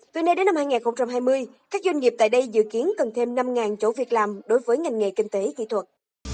từ nay đến năm hai nghìn hai mươi các doanh nghiệp tại đây dự kiến cần thêm năm chỗ việc làm đối với ngành nghề kinh tế kỹ thuật